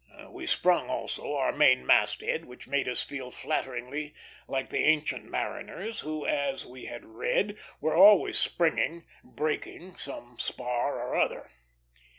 We sprung also our main mast head, which made us feel flatteringly like the ancient mariners, who, as we had read, were always "springing" (breaking) some spar or other.